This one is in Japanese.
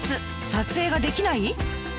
撮影ができない！？